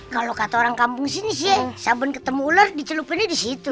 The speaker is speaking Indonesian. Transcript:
kalo kata orang kampung sini sih ya sabun ketemu ular dicelupinnya disitu